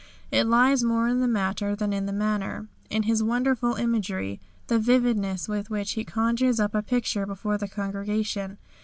It lies more in the matter than in the manner, in his wonderful imagery, the vividness with which he conjures up a picture before the congregation.